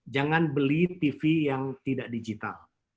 jangan beli tv yang tidak digital